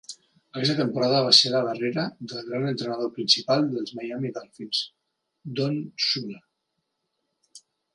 Aquesta temporada va ser la darrera del gran entrenador principal dels Miami Dolphins, Don Shula.